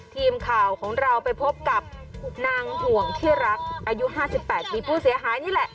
ทีมข่าวของเราไปพบกับนางห่วงที่รักอายุ๕๘ปีผู้เสียหายนี่แหละ